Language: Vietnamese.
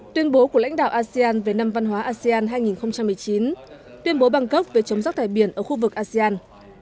tuyên bố của lãnh đạo asean về năm văn hóa asean hai nghìn một mươi chín tuyên bố băng cốc về chống giác thải biển ở khu vực asean